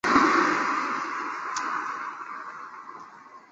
九湖弗蛛为皿蛛科弗蛛属的动物。